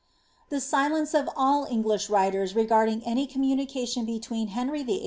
163 The silence of all English writers regarding any communication be tween Henry VIII.